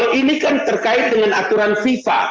kalau ini kan terkait dengan aturan fifa